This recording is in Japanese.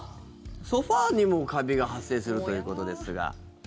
ソファにもカビが発生するということですが。